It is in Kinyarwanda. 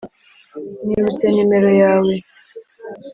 nibutse numero yawe.